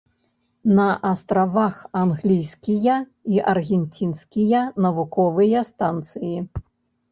На астравах англійскія і аргенцінская навуковыя станцыі.